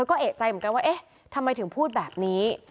ก็เอกใจเหมือนกันว่าเอ๊ะทำไมถึงพูดแบบนี้